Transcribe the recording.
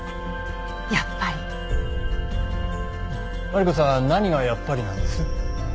マリコさん何がやっぱりなんです？